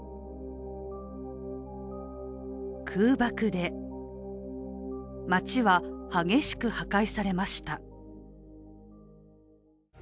空爆で、町は激しく破壊されました。